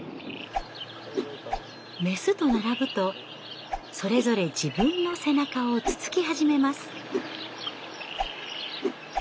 メスと並ぶとそれぞれ自分の背中をつつき始めます。